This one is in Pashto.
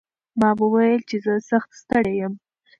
ما وویل چې زه سخت ستړی یم.